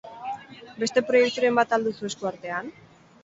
Beste proiekturen bat al duzu esku artean?